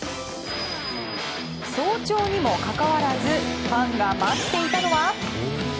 早朝にもかかわらずファンが待っていたのは。